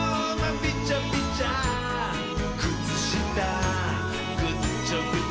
びちゃびちゃくつしたぐちょぐちょ」